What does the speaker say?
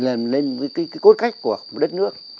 làm lên cái cốt cách của một đất nước